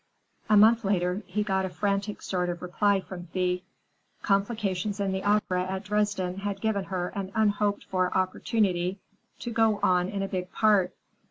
A month later he got a frantic sort of reply from Thea. Complications in the opera at Dresden had given her an unhoped for opportunity to go on in a big part.